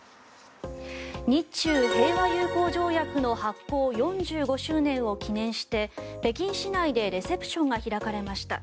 日中平和友好条約の発効４５周年を記念して北京市内でレセプションが開かれました。